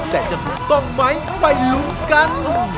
แต่จะถูกต้องไหมไปลุ้นกัน